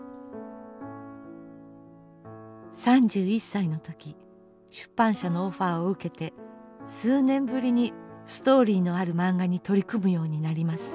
３１歳の時出版社のオファーを受けて数年ぶりにストーリーのある漫画に取り組むようになります。